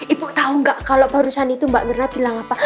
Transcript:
ibu tahu nggak kalau barusan itu mbak mirna bilang apa